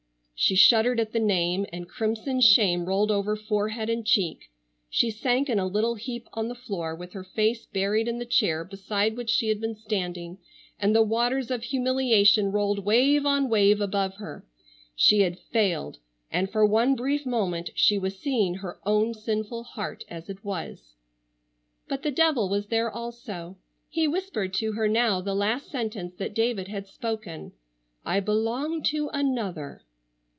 She shuddered at the name, and crimson shame rolled over forehead and cheek. She sank in a little heap on the floor with her face buried in the chair beside which she had been standing, and the waters of humiliation rolled wave on wave above her. She had failed, and for one brief moment she was seeing her own sinful heart as it was. But the devil was there also. He whispered to her now the last sentence that David had spoken: "I belong to another!"